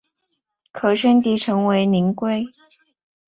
可升级成为灵龟。